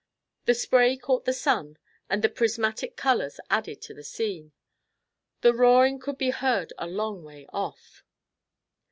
The spray caught the sun and the prismatic colors added to the scene. The roaring could be heard a long way off.